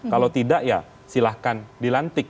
kalau tidak ya silahkan dilantik